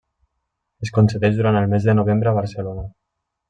Es concedeix durant el mes de novembre a Barcelona.